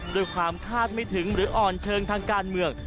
ด้วยความคาดไม่ถึงหรืออ่อนเชิงทางการเมือง